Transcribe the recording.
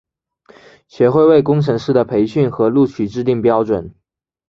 学会为工程师的培训和录取制定标准。